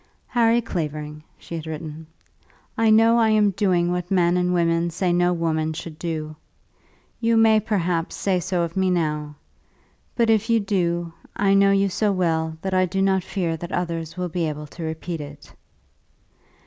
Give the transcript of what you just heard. "Harry Clavering," she had written, I know I am doing what men and women say no woman should do. You may, perhaps, say so of me now; but if you do, I know you so well, that I do not fear that others will be able to repeat it.